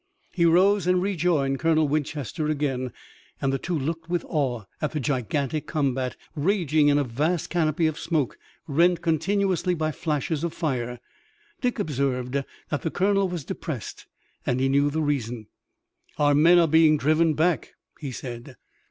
He rose and rejoined Colonel Winchester again, and the two looked with awe at the gigantic combat, raging in a vast canopy of smoke, rent continuously by flashes of fire. Dick observed that the colonel was depressed and he knew the reason. "Our men are being driven back," he said.